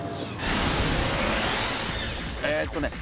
えーっとね。